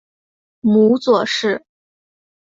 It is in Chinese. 母左氏。